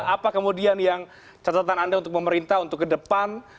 apa kemudian yang catatan anda untuk pemerintah untuk ke depan